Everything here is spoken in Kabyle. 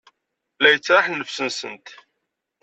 La yettraḥ nnefs-nsent.